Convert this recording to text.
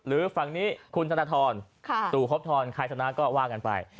หรือฝั่งนี้คุณธนทรสู่ครบทรใครชนะก็ว่ากันไป